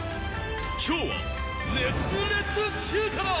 今日は熱烈中華だ。